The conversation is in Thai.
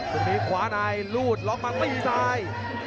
สุนิมิดขวานายรูดร้องมาตีซ้าย